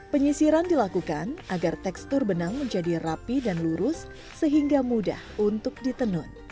penyisiran dilakukan agar tekstur benang menjadi rapi dan lurus sehingga mudah untuk ditenun